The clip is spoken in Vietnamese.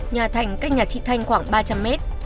nhà thành cách nhà chị thanh khoảng ba trăm linh mét